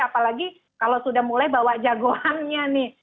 apalagi kalau sudah mulai bawa jagoannya nih